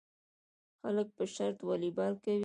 خلک په شرط والیبال کوي.